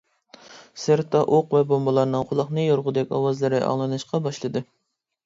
سىرتتا ئوق ۋە بومبىلارنىڭ قۇلاقنى يارغۇدەك ئاۋازلىرى ئاڭلىنىشقا باشلىدى.